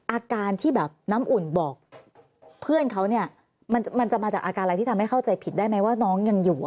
อาการที่แบบน้ำอุ่นบอกเพื่อนเขาเนี่ยมันจะมาจากอาการอะไรที่ทำให้เข้าใจผิดได้ไหมว่าน้องยังอยู่